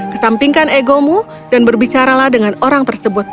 kesampingkan egomu dan berbicaralah dengan orang tersebut